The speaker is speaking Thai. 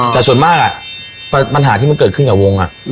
แต่ส่วนมากปัญหาที่มันเกิดขึ้นกับวง